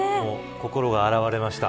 心が洗われました。